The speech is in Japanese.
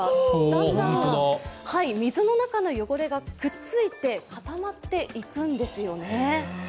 だんだん水の中の汚れがくっついて、固まっていくんですよね。